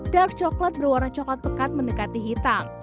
dark coklat berwarna coklat pekat mendekati hitam